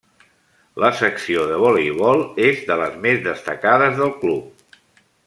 La secció de voleibol és de les més destacades del club.